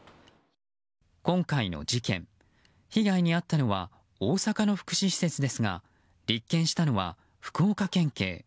今回の事件、被害に遭ったのは大阪の福祉施設ですが立件したのは福岡県警。